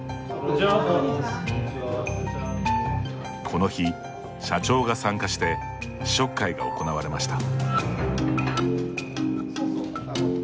この日社長が参加して試食会が行われました。